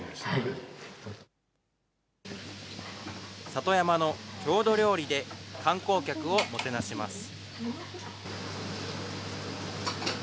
里山の郷土料理で観光客をもてなします。